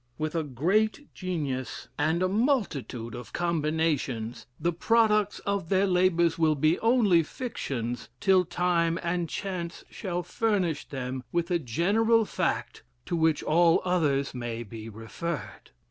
With a great genius and a multitude of combinations, the products of their labors will be only fictions till time and chance shall furnish then? with a general fact, to which all others may be referred.